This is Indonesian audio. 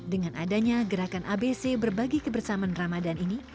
dengan adanya gerakan abc berbagi kebersamaan ramadan ini